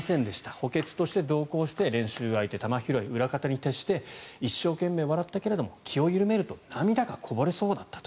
補欠として同行して練習相手、球拾い裏方に徹して一生懸命笑ったけれども気を緩めると涙がこぼれそうだったと。